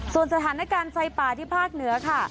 ส่วนสถานการณ์ไฟป่าที่ภาคเหนือค่ะ